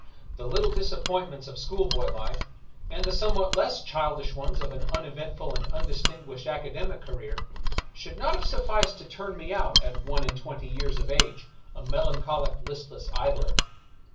The little disappointments of schoolboy life, and the somewhat less childish ones of an uneventful and undistinguished academic career, should not have sufficed to turn me out at one and twenty years of age a melancholic, listless idler.